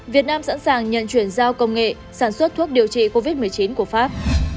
việt nam sẵn sàng nhận chuyển giao công nghệ sản xuất thuốc điều trị covid một mươi chín của pháp